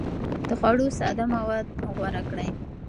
د خوړو ساده مواد غوره کړئ.